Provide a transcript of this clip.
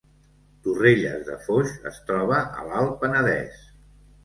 Torrelles de Foix es troba a l’Alt Penedès